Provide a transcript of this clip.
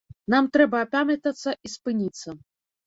Нам трэба апамятацца і спыніцца.